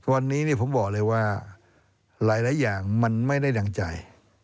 วันนี้ผมบอกเลยว่าหลายอย่างมันไม่ได้ดังใจ